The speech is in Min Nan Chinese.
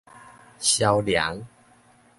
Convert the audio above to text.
消涼